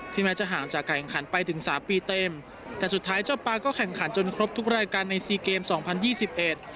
แม้จะห่างจากการแข่งขันไปถึงสามปีเต็มแต่สุดท้ายเจ้าปลาก็แข่งขันจนครบทุกรายการในซีเกมสองพันยี่สิบเอ็ด